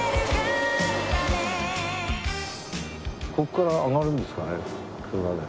ここから上がるんですかね車で。